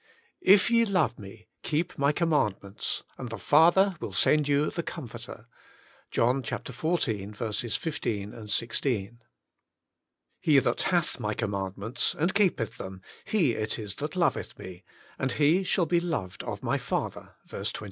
"If ye love Me, Keep My Commandments, and the Father will send you the Comforter" (John xiv. 15, 16). " He that hath My commandments, and Keep eth Them^ he it is that loveth Me, and he shall be loved of My Father" (v. 21).